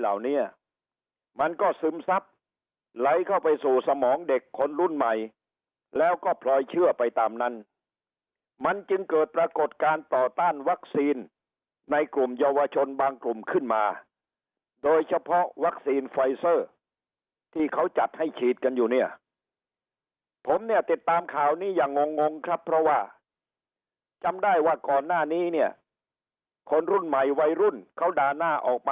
เหล่านี้มันก็ซึมซับไหลเข้าไปสู่สมองเด็กคนรุ่นใหม่แล้วก็พลอยเชื่อไปตามนั้นมันจึงเกิดปรากฏการณ์ต่อต้านวัคซีนในกลุ่มเยาวชนบางกลุ่มขึ้นมาโดยเฉพาะวัคซีนไฟเซอร์ที่เขาจัดให้ฉีดกันอยู่เนี่ยผมเนี่ยติดตามข่าวนี้อย่างงงครับเพราะว่าจำได้ว่าก่อนหน้านี้เนี่ยคนรุ่นใหม่วัยรุ่นเขาด่าหน้าออกมา